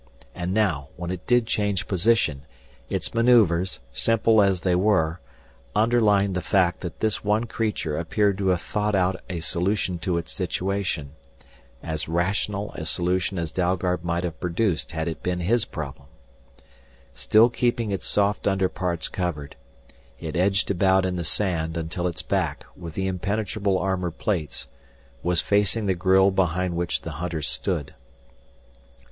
And now, when it did change position, its maneuvers, simple as they were, underlined the fact that this one creature appeared to have thought out a solution to its situation as rational a solution as Dalgard might have produced had it been his problem. Still keeping its soft underparts covered, it edged about in the sand until its back, with the impenetrable armor plates, was facing the grille behind which the hunters stood.